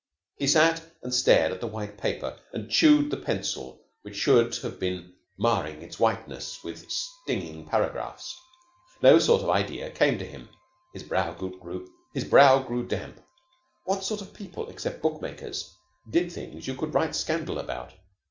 He sat and stared at the white paper and chewed the pencil which should have been marring its whiteness with stinging paragraphs. No sort of idea came to him. His brow grew damp. What sort of people except book makers did things you could write scandal about?